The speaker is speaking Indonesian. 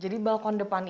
jadi balkon depan ini